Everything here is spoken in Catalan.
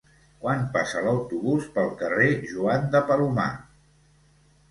Quan passa l'autobús pel carrer Joan de Palomar?